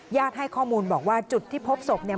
ให้ข้อมูลบอกว่าจุดที่พบศพเนี่ย